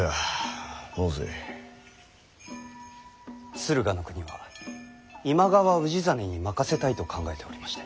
駿河国は今川氏真に任せたいと考えておりまして。